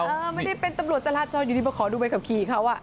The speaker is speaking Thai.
แต่ไม่ได้เป็นตำรวจเจราะจอดต้องขอดูแต่ใบขับคีเขา